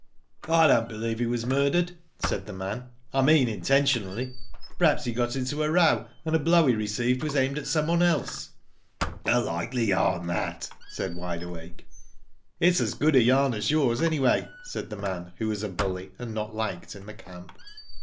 I don't believe he was murdered,'* said the man, I mean intentionally. Perhaps he got into a row, and the blow he received was aimed at some one else?" *'A likely yarn that," said Wide Awake. It's as good a yarn as yours, anyway," said the man, who was a bully and not liked in the camp.